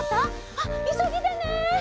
あっいそぎでね。